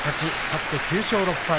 勝って９勝６敗。